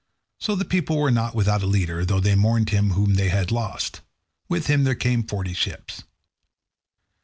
So the people were not without a leader, though they mourned him whom they had lost. With him there came forty ships.